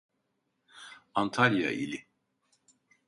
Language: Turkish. Antalya ili